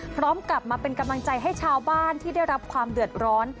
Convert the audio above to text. พร้อมกลับมาเป็นกำลังใจให้ชาวบ้านที่ได้รับความเดือดร้อน